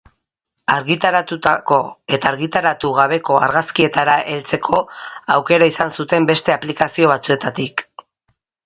Argitaratutako eta argitaratu gabeko argazkietara heltzeko aukera izan zuten beste aplikazio batzuetatik.